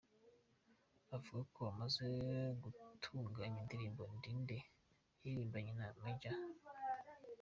Avuga ko amaze gutunganya indirimbo “Ndi Nde” yaririmbanye na Major-X.